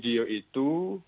dan rekaman video